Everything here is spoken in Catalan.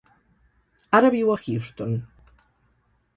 Ara viu a Houston.